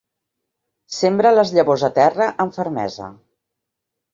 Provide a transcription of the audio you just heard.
Sembra les llavors a terra amb fermesa.